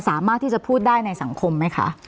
สามารถที่จะพูดได้ในสังคมไหมคะ